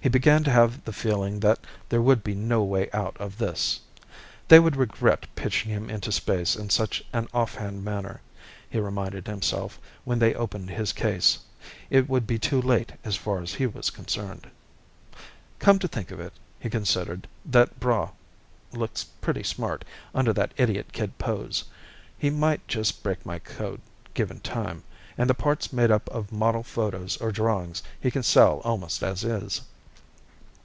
He began to have the feeling that there would be no way out of this. They would regret pitching him into space in such an offhand manner, he reminded himself, when they opened his case. It would be too late as far as he was concerned. Come to think of it, he considered, _that Braigh looks pretty smart, under that idiot kid pose. He might just break my code, given time. And the parts made up of model photos or drawings he can sell almost as is.